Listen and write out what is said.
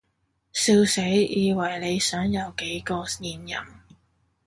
笑死，以為你想有幾個現任